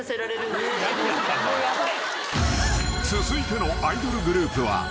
［続いてのアイドルグループは］